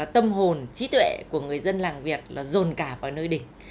tâm hồn trí tuệ của người dân làng việt là dồn cả vào nơi đình